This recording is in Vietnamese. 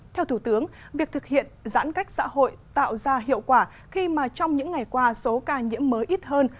theo thủ tướng việc thực hiện giãn cách xã hội tạo ra hiệu quả khi mà trong những ngày qua số ca nhiễm mới ít hơn